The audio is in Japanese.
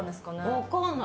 分かんない。